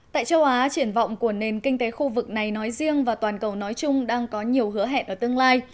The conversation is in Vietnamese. tại châu á triển vọng của nền kinh tế khu vực này nói riêng và toàn cầu nói chung đang có nhiều hứa hẹn ở tương lai